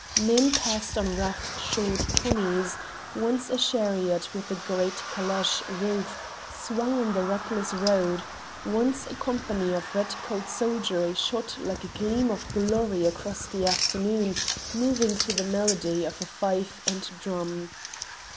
Men passed on rough short ponies; once a chariot with a great caleche roof swung on the rutless road, once a company of red coat soldiery shot like a gleam of glory across the afternoon, moving to the melody of a fife and drum.